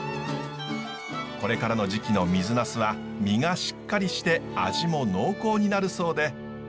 これからの時期の水なすは身がしっかりして味も濃厚になるそうで。